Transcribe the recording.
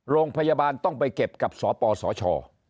โรงพยาบาลต้องไปเก็บกับสปสช